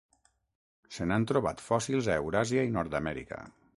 Se n'han trobat fòssils a Euràsia i Nord-amèrica.